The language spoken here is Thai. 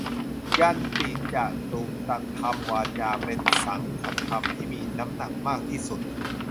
ญัตติจตุตถกรรมวาจา เป็นสังฆกรรมที่มีน้ำหนักมากที่สุด